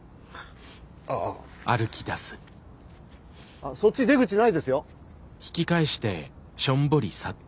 あっそっち出口ないですよ。